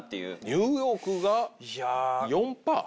ニューヨークが４％？